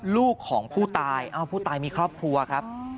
ลูกของผู้ตายเอ้าผู้ตายมีครอบครัวครับ